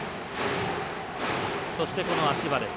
そして、この足場です。